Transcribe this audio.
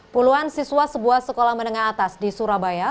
puluhan siswa sebuah sekolah menengah atas di surabaya